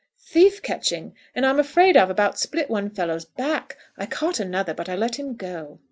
"Thief catching. And I'm afraid I've about split one fellow's back. I caught another, but I let him go."